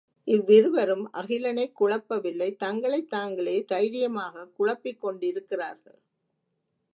இவ்விருவரும் அகிலனைக் குழப்பவில்லை தங்களைத் தாங்களே தைரியமாகக் குழப்பிக் கொண்டிருக்கிறார்கள்.